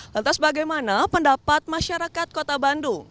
lantas bagaimana pendapat masyarakat kota bandung